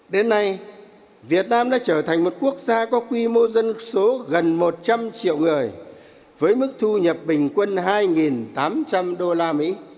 đến nay việt nam đã trở thành một quốc gia có quy mô dân số gần một trăm linh triệu người với mức thu nhập bình quân hai tám trăm linh đô la mỹ